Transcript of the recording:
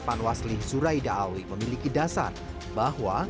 panwasli zuraidaawi memiliki dasar bahwa